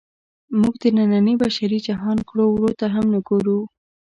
موږ د ننني بشري جهان کړو وړو ته هم نه ګورو.